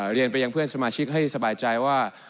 เรียนไปยังเพื่อนสมาชิกให้สบายใจว่า